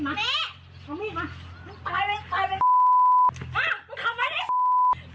อุ๊ยเจ็บเกิน